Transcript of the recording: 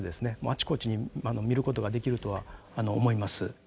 あちこちに見ることができるとは思います。